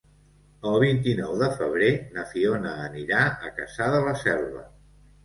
El vint-i-nou de febrer na Fiona anirà a Cassà de la Selva.